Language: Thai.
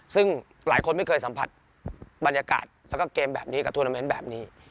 ซึ่งหลายคนไม่เคยสัมผัสบรรยากาศแล้วก็เกมแบบนี้กับทวนาเมนต์แบบนี้